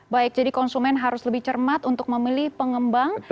baik jadi konsumen harus lebih cermat untuk memilih pengembang